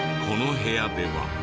この部屋では。